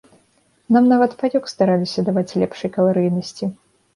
Нам нават паёк стараліся даваць лепшай каларыйнасці.